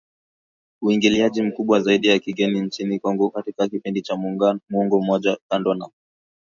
uingiliaji mkubwa zaidi wa kigeni nchini Kongo katika kipindi cha muongo mmoja kando na